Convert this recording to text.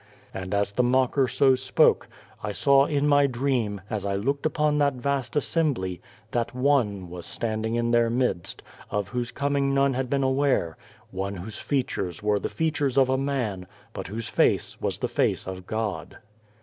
" And as the mocker so spoke, I saw in my dream, as I looked upon that vast assembly, that ONE was standing in their midst, of whose coming none had been aware One whose features were the features of a man, but whose face was the face of God.